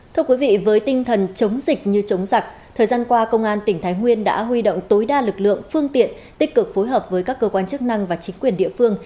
thưa quý vị với tinh thần chống dịch như chống giặc thời gian qua công an tỉnh thái nguyên đã huy động tối đa lực lượng phương tiện tích cực phối hợp với các cơ quan chức năng và chính quyền địa phương